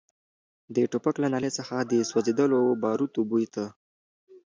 د ټوپک له نلۍ څخه د سوځېدلو باروتو بوی ته.